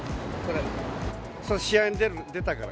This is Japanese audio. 試合に出たから。